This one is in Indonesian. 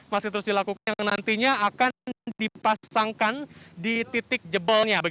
masih terus dilakukan yang nantinya akan dipasangkan di titik jebolnya